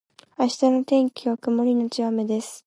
明日の天気は曇りのち雨です